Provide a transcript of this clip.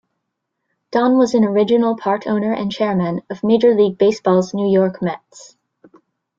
Don was an original part-owner and chairman of Major League Baseball's New York Mets.